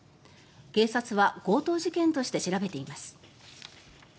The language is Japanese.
警察は強盗事件として調べています。